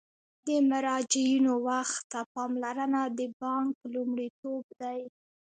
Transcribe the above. د مراجعینو وخت ته پاملرنه د بانک لومړیتوب دی.